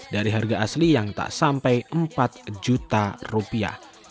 dari harga asli yang tak sampai empat juta rupiah